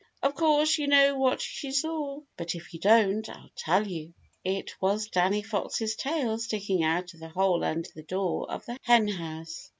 Of course, you know what she saw. But if you don't, I'll tell you. It was Danny Fox's tail sticking out of the hole under the door of the Henhouse.